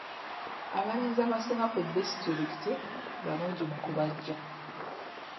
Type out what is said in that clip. Abalenzi abasinga ku disitulikiti balungi mu kubajja.